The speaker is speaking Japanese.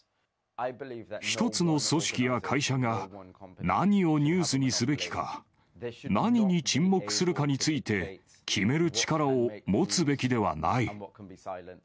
一つの組織や会社が何をニュースにすべきか、何に沈黙するかについて、決める力を持つべきではない。